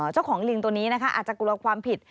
เจ้าของลิงตัวนี้นะคะอาจจะกลัวความผิด